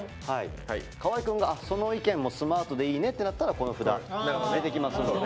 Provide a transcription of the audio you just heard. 河合くんがその意見もスマートでいいね！ってなったらこの札出てきますので。